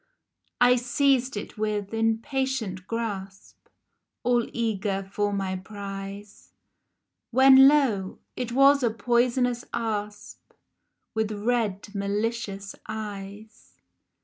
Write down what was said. I seized it, with impatient grasp, All eager for my prize, When, lo ! it was a poisonous asp With red malicious eyes